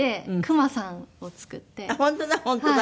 あっ本当だ本当だ。